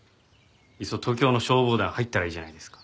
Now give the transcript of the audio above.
いっそ東京の消防団入ったらいいじゃないですか。